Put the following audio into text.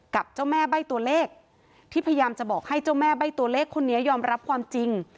กับเจ้าแม่ใบ้ตัวเลขที่พยายามจะบอกให้เจ้าแม่ใบ้ตัวเลขคนนี้ยอมรับความจริง